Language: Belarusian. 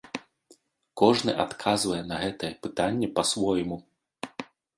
Кожны адказвае на гэтае пытанне па-свойму.